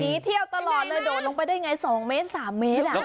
นี่เที่ยวตลอดเลยโดดลงไปได้ไงสองเมตรสามเมตรน่ะ